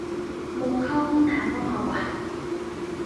มุกเข้าห้องน้ำก็มาว่ะ